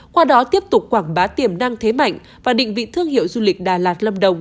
qua đó tiếp tục quảng bá tiềm năng thế mạnh và định vị thương hiệu du lịch đà lạt lâm đồng